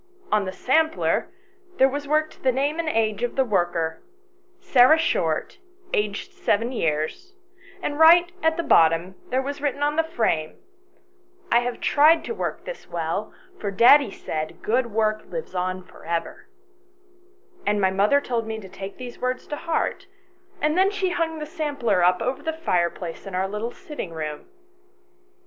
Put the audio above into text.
On the sampler there was 134 ANYHOW STORIES. [STORY worked the name and age of the worker, 'Sarah Short, aged 7 years,' and right down at the bottom there was written on the frame, 'I have tried to work this well, for Daddy said good work lives on for ever' And my mother told me to take these words to heart, and then she hung the sampler up over the fireplace in our little sitting room.